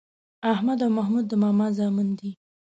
احمد او محمود د ماما زامن دي